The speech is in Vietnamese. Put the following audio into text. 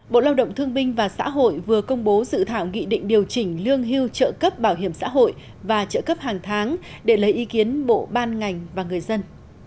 bộ lao động thương binh và xã hội vừa công bố dự thảo nghị định điều chỉnh lương hưu trợ cấp bảo hiểm xã hội và trợ cấp hàng tháng để lấy ý kiến bộ ban ngành và người dân